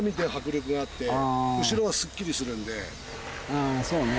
あぁそうね。